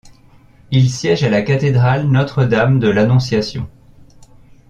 Il siège à la cathédrale Notre-Dame de l'Annonciation.